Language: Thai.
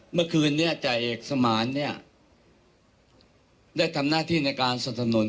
เมื่อคืนนี้จ่ายเอกสมานเนี่ยได้ทำหน้าที่ในการสนับสนุน